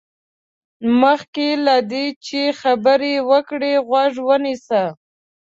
مخکې له دې چې خبرې وکړې، غوږ ونيسه.